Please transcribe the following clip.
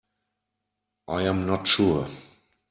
I am not sure.